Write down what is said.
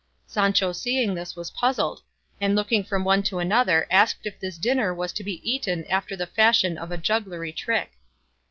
Sancho seeing this was puzzled, and looking from one to another asked if this dinner was to be eaten after the fashion of a jugglery trick.